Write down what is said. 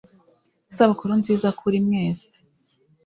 Isabukuru nziza kuri mwese